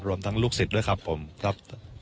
รวมทั้งลูกศิษย์ด้วยครับผมครับ